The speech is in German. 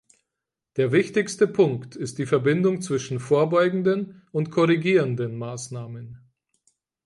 Der wichtigste Punkt ist die Verbindung zwischen vorbeugenden und korrigierenden Maßnahmen.